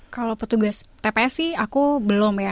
kalau petugas tps sih aku belum ya